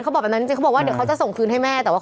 บอกแบบนั้นจริงเขาบอกว่าเดี๋ยวเขาจะส่งคืนให้แม่แต่ว่า